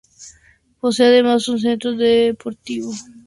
Posee además un centro deportivo acondicionado con canchas, salones y piletas.